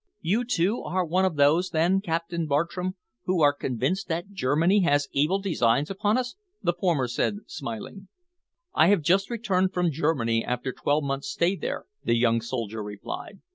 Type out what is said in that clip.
"You, too, are one of those, then, Captain Bartram, who are convinced that Germany has evil designs upon us?" the former said, smiling. "I have just returned from Germany after twelve months' stay there," the young soldier replied.